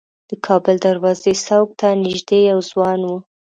د کابل دروازې څوک ته نیژدې یو ځوان و.